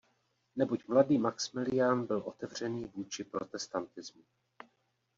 Neboť mladý Maxmilián byl otevřený vůči protestantismu.